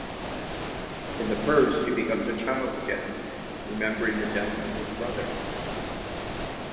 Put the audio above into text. In the first he becomes a child again, remembering the death of his brother.